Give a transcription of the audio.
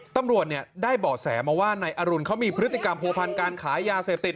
ตำรวจได้เบาะแสมาว่านายอรุณเขามีพฤติกรรมผัวพันธ์การขายยาเสพติด